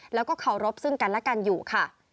แล้วก็เคารพซึ่งกันและกันอยู่ค่ะ